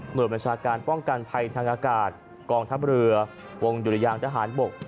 โดยบัญชาการป้องกันภัยทางอากาศกองทัพเรือวงดุรยางทหารบก